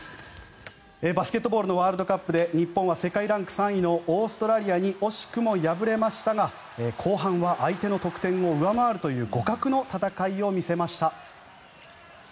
バスケットボールのワールドカップで日本は世界ランク３位のオーストラリアに惜しくも敗れましたが後半は相手の得点を上回るという互角の戦いを見せました。